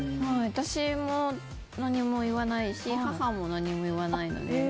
私も何も言わないし母も何も言わないので。